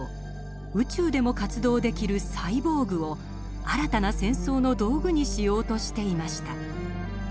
宇宙でも活動できるサイボーグを新たな戦争の道具にしようとしていました。